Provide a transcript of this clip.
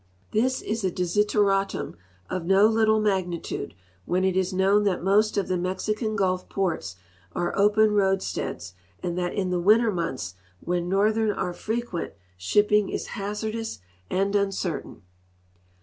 This is a desideratum of no little magnitude when it is known that most of the Mexican gulf ports are open roadsteads and that in the winter months, when northers are frequent, shipping is hazardous and uncertain.